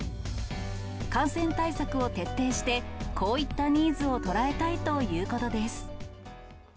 感染対策を徹底して、こういったニーズを捉えたいということです。